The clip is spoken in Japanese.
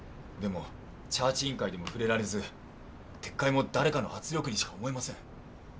でもチャーチ委員会でも触れられず撤回も誰かの圧力にしか思えません。